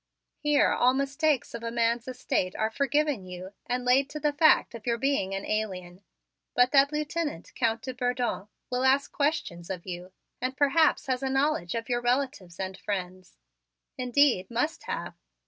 Here all mistakes of a man's estate are forgiven you and laid to the fact of your being an alien, but that Lieutenant, Count de Bourdon, will ask questions of you and perhaps has a knowledge of your relatives and friends indeed, must have.